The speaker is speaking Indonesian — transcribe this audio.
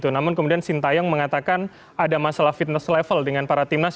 namun kemudian sintayong mengatakan ada masalah fitness level dengan para timnas